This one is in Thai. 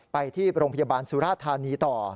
ไปที่โรงพยาบาลสุราธานีต่อ